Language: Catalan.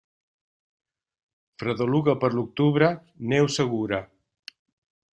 Fredeluga per l'octubre, neu segura.